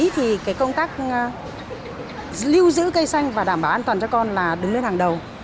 thì cái công tác lưu giữ cây xanh và đảm bảo an toàn cho con là đứng lên hàng đầu